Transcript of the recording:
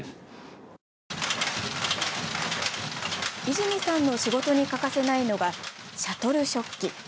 泉さんの仕事に欠かせないのが「シャトル織機」。